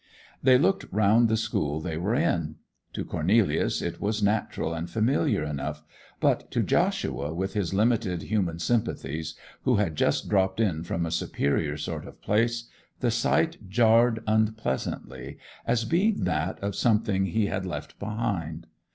They looked round the school they were in. To Cornelius it was natural and familiar enough, but to Joshua, with his limited human sympathies, who had just dropped in from a superior sort of place, the sight jarred unpleasantly, as being that of something he had left behind.